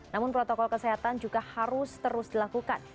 namun protokol kesehatan juga harus terus dilakukan